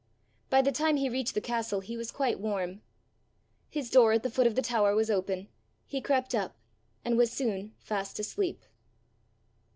By the time he reached the castle he was quite warm. His door at the foot of the tower was open, he crept up, and was soon fast asleep.